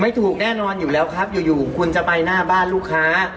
ถูกแน่นอนอยู่แล้วครับอยู่คุณจะไปหน้าบ้านลูกค้า